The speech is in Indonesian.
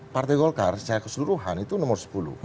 partai golkar secara keseluruhan itu nomor sepuluh